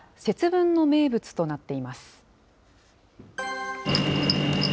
節分の名物となっています。